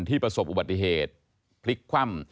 ประสบอุบัติเหตุพลิกคว่ำ